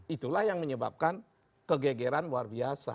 itulah yang menyebabkan kegegeran luar biasa